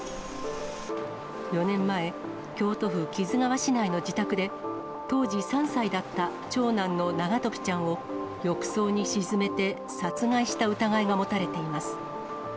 ４年前、京都府木津川市内の自宅で、当時３歳だった長男の永時ちゃんを浴槽に沈めて殺害した疑いが持たれています。